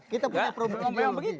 kita punya problem ideologi